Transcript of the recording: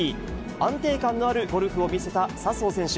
安定感のあるゴルフを見せた笹生選手。